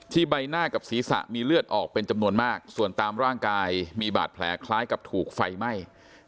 ใบหน้ากับศีรษะมีเลือดออกเป็นจำนวนมากส่วนตามร่างกายมีบาดแผลคล้ายกับถูกไฟไหม้